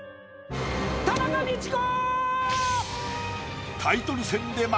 田中道子！